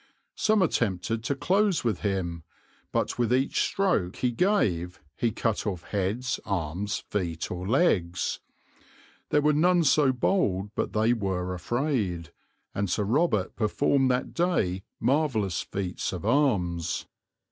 Some attempted to close with him; but with each stroke he gave he cut off heads, arms, feet or legs. There were none so bold but they were afraid, and Sir Robert performed that day marvellous feats of arms.